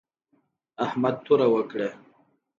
احمد توره وکړه